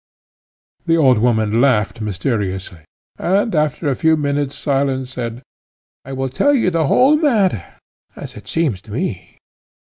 The old woman laughed mysteriously, and after a few minutes' silence said, "I will tell you the whole matter, as it seems to me.